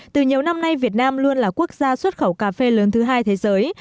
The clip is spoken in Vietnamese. từ nhiều năm nay việt nam luôn là quốc gia xuất khẩu cà phê lớn thứ hai thế giới